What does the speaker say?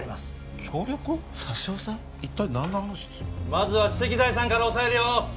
まずは知的財産から押さえるよ